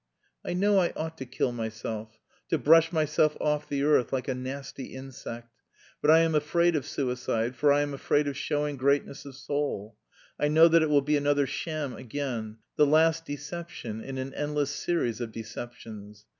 "I know I ought to kill myself, to brush myself off the earth like a nasty insect; but I am afraid of suicide, for I am afraid of showing greatness of soul. I know that it will be another sham again the last deception in an endless series of deceptions.